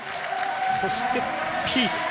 そしてピース。